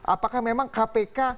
apakah memang kpk